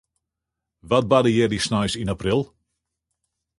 Wat barde hjir dy sneins yn april?